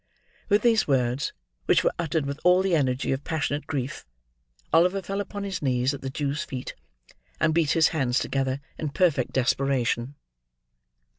With these words, which were uttered with all the energy of passionate grief, Oliver fell upon his knees at the Jew's feet; and beat his hands together, in perfect desperation.